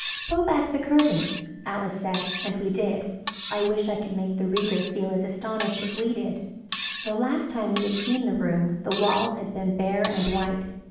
"Pull back the curtains," Alice said, and we did. I wish I could make the reader feel as astonished as we did. The last time we had seen the room the walls had been bare and white.